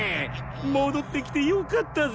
もどってきてよかったぜ。